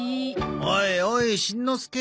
おいおいしんのすけ。